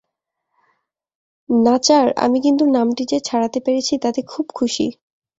নাচার! আমি কিন্তু নামটি যে ছাড়তে পেরেছি, তাতে খুব খুশী।